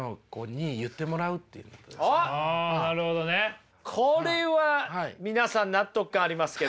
あなるほどね。これは皆さん納得感ありますけど。